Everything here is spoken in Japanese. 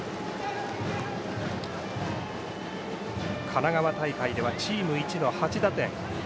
神奈川大会ではチーム１の８打点。